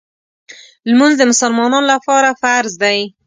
لمونځ د مسلمانانو لپاره فرض دی.